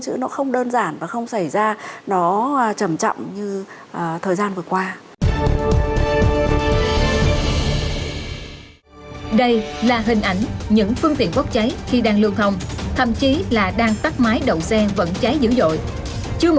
chứ nó không đơn giản và không xảy ra nó chầm chậm